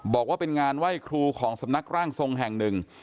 บอกว่าเป็นงานไหว้ครูของสำนักร่างทรงแห่งหนึ่ง